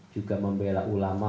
juga membela ulama